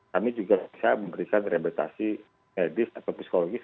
kami juga bisa memberikan rebetasi edis atau psikologis